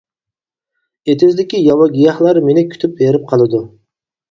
ئېتىزدىكى ياۋا گىياھلار مېنى كۈتۈپ ھېرىپ قالىدۇ.